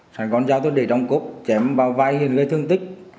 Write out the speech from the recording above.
sài gòn dao tôi để trong cốc chém vào vai huyện gây thương tích